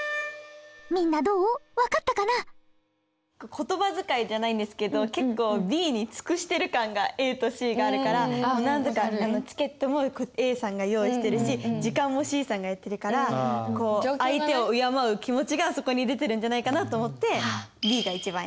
言葉遣いじゃないんですけど結構Ｂに尽くしてる感がＡとＣがあるからなんとかチケットもＡさんが用意してるし時間もＣさんがやってるから相手を敬う気持ちがそこに出てるんじゃないかなと思ってＢが一番偉い。